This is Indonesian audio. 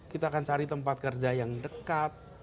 kita akan cari tempat kerja yang dekat